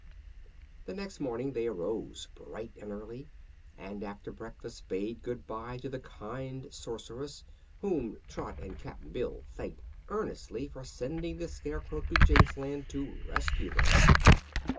The next morning they arose bright and early and after breakfast bade good bye to the kind Sorceress, whom Trot and Cap'n Bill thanked earnestly for sending the Scarecrow to Jinxland to rescue them.